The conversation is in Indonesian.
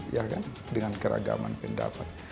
ya kan dengan keragaman pendapat